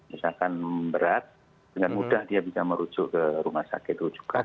misalkan berat dengan mudah dia bisa merujuk ke rumah sakit rujukan